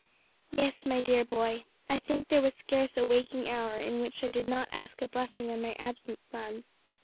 "Yes, my dear boy; I think there was scarce a waking hour in which I did not ask a blessing on my absent son."